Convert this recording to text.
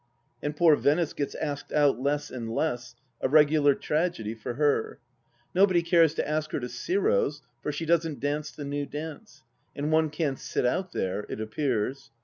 And poor Venice gets asked out less and less — a regular tragedy for her. Nobody cares to ask her to Giro's, for she doesn't dance the new dance, and one can't sit out there, it appears.